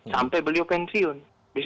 sampai beliau pensiun